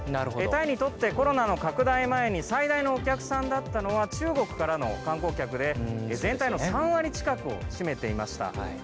タイにとってコロナの拡大前に最大のお客さんだったのは中国からの観光客で全体の３割近くを占めていました。